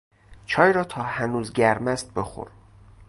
چای را تا هنوز گرم است بخور.